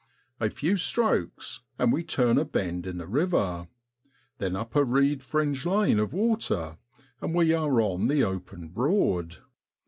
A few strokes, and we turn a bend in the river, then up a reed fringed lane of water, and we are on the open Broad.